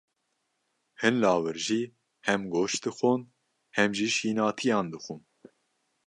Hin lawir jî, hem goşt dixwin, hem jî şînatiyan dixwin.